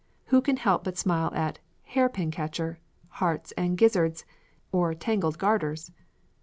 Who can help but smile at "Hairpin Catcher," "Hearts and Gizzards," or "Tangled Garters?"